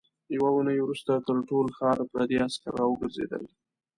يوه اوونۍ وروسته تر ټول ښار پردي عسکر راوګرځېدل.